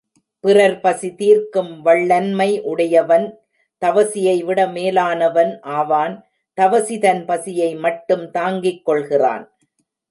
பிறர் பசி தீர்க்கும் வள்ளன்மை உடையவன் தவசியை விட மேலானவன் ஆவான் தவசி தன் பசியை மட்டும் தாங்கிக்கொள்கிறான்.